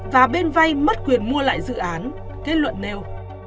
và bên vay mất quyền mua lại dự án kết luận nêu